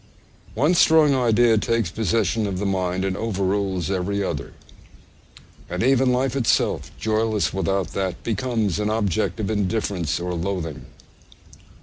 One strong idea takes possession of the mind and overrules every other; and even life itself, joyless without that, becomes an object of indifference or loathing.